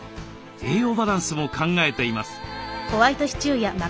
栄養バランスも考えています。